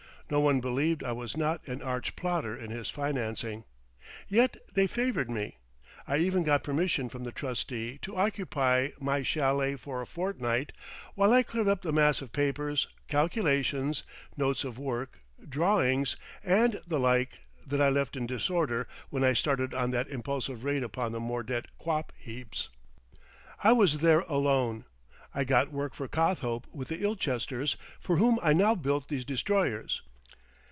No one believed I was not an arch plotter in his financing. Yet they favoured me. I even got permission from the trustee to occupy my chalet for a fortnight while I cleared up the mass of papers, calculations, notes of work, drawings and the like, that I left in disorder when I started on that impulsive raid upon the Mordet quap heaps. I was there alone. I got work for Cothope with the Ilchesters, for whom I now build these destroyers.